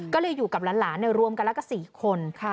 ก็เลยอยู่กับหลานรวมกันแล้วก็๔คน